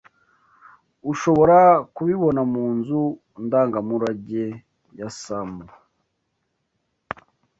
ushobora kubibona mu nzu ndangamurage ya Samu